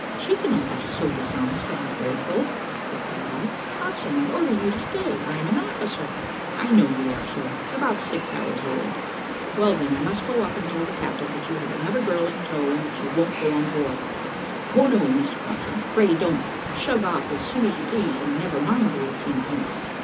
"She cannot be so dishonest or ungrateful," replied I. "Coxswain, I order you to stay I am an officer." "I know you are, sir, about six hours old; well then, I must go up and tell the captain that you have another girl in tow, and that you won't go on board." "O no, Mr Coxswain, pray don't; shove off as soon as you please, and never mind the eighteen pence."